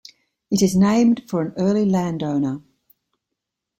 It is named for an early landowner.